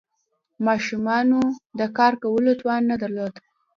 ماشومانو د کار کولو توان نه درلود.